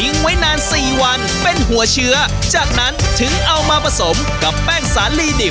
ในลูกค้าแล้วเขายังมีแป้งสุดเด็ดที่เป็นเอกลักษณ์ของทางร้าน